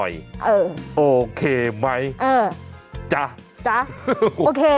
อยู่นี่หุ่นใดมาเพียบเลย